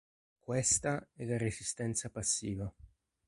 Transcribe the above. Questa è la resistenza passiva".